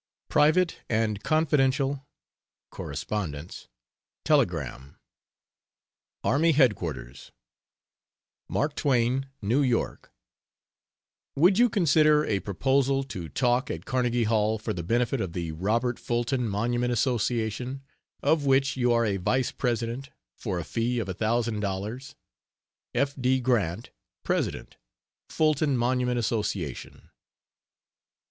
PRIVATE AND CONFIDENTIAL (Correspondence) Telegram Army Headquarters (date) MARK TWAIN, New York, Would you consider a proposal to talk at Carnegie Hall for the benefit of the Robert Fulton Monument Association, of which you are a Vice President, for a fee of a thousand dollars? F. D. GRANT, President, Fulton Monument Association.